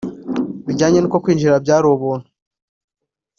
Bijyanye nuko kwinjira byari ubuntu